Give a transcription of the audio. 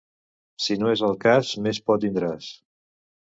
Si no és el cas, més por tindràs.